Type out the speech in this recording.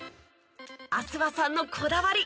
阿諏訪さんのこだわり